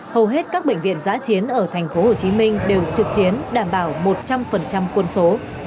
hầu hết các bệnh viện giã chiến ở tp hcm đều trực chiến đảm bảo một trăm linh quân số